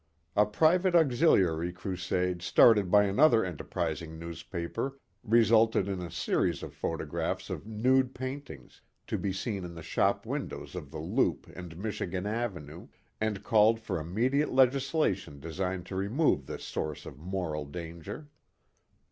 A private auxiliary crusade started by another enterprising newspaper resulted in a series of photographs of nude paintings to be seen in the shop windows of the loop and Michigan avenue, and called for immediate legislation designed to remove this source of moral danger.